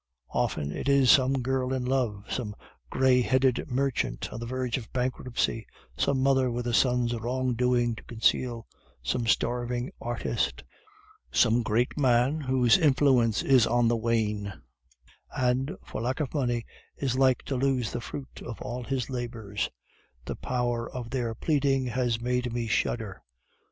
"'Often it is some girl in love, some gray headed merchant on the verge of bankruptcy, some mother with a son's wrong doing to conceal, some starving artist, some great man whose influence is on the wane, and, for lack of money, is like to lose the fruit of all his labors the power of their pleading has made me shudder.